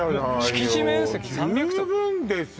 敷地面積３００坪十分ですよ